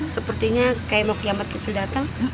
sepertinya kaya mau kiamat kecil dateng